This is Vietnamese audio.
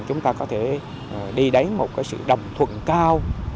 chúng ta có thể đi đến một sự đồng thuận cao